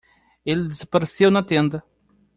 Ele desapareceu na tenda.